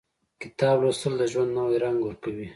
• کتاب لوستل، د ژوند نوی رنګ ورکوي.